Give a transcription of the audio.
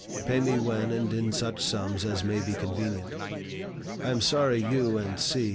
Pay me when and in such sums as may be convenient. I am sorry you and C.